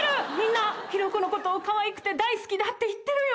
ヒロコの事をかわいくて大好きだって言ってるよ。